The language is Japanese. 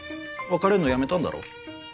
別れるのやめたんだろ？